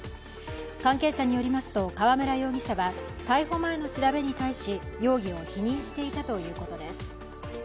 関係者によりますと、川村容疑者は逮捕前の調べに対し容疑を否認していたということです。